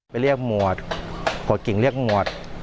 ไปเรียกหมวดขอจริงเรียกหมวด